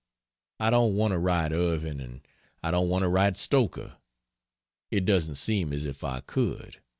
I don't want to write Irving and I don't want to write Stoker. It doesn't seem as if I could.